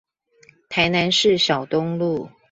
台南市小東路